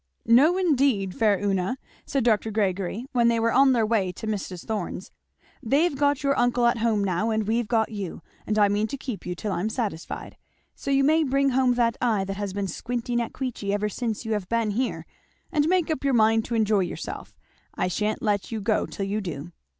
"No indeed, faire Una," said Dr. Gregory, when they were on their way to Mrs. Thorn's, "they've got your uncle at home now and we've got you; and I mean to keep you till I'm satisfied. So you may bring home that eye that has been squinting at Queechy ever since you have been here and make up your mind to enjoy yourself; I sha'n't let you go till you do."